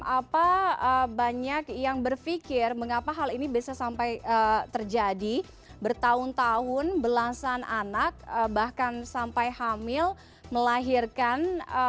apa banyak yang berpikir mengapa hal ini bisa sampai terjadi bertahun tahun belasan anak bahkan sampai hamil melahirkan